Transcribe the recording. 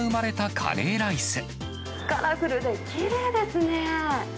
カラフルできれいですね。